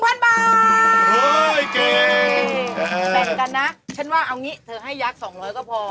แต่งกันนะฉันว่าเอางี้เธอให้ยักษ์๒๐๐ก็พอ